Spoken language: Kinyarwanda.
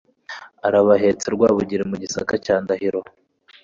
Arabahetse Rwabugiri mu gisaka cya ndahiro